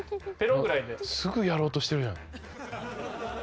すぐやろうとしてるじゃん。